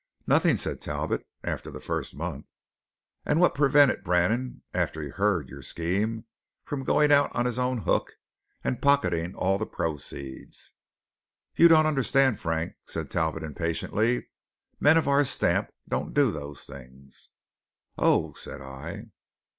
"Nothing," said Talbot, "after the first month." "And what prevented Brannan, after he had heard your scheme, from going out on his own hook, and pocketing all the proceeds?" "You don't understand, Frank," said Talbot impatiently. "Men of our stamp don't do those things." "Oh!" said I.